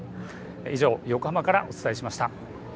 以上横浜からお伝えしました。